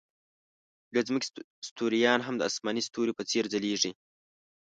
د ځمکې ستوریان هم د آسماني ستوریو په څېر ځلېږي.